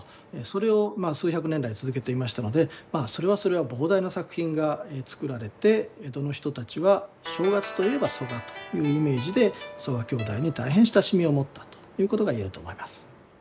それを数百年来続けていましたのでそれはそれは膨大な作品が作られて江戸の人たちは「正月といえば曽我」というイメージで曽我兄弟に大変親しみを持ったということが言えると思います。